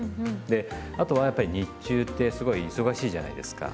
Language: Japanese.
であとはやっぱり日中ってすごい忙しいじゃないですか。